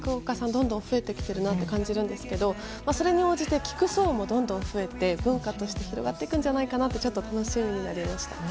どんどん増えてくるなと感じるですが、それに応じて聞く側もどんどん増えて文化として広がっていくんじゃないかとちょっと楽しみになりました。